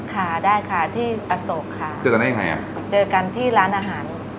ค่ะได้ค่ะที่อโศกค่ะเจอกันได้ยังไงอ่ะเจอกันที่ร้านอาหาร